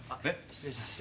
失礼します。